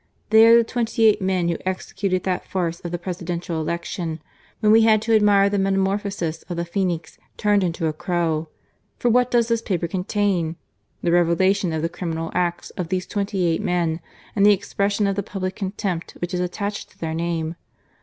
They are the twenty eight men who executed that farce of the Presidential Election, when we had to admire the metamorphosis of the phenix turned into a crow. For what does this paper contain? The revelation of the criminal acts 30 GARCIA MORENO, of these twenty eight men and the expression of the public contempt which is attached to their name.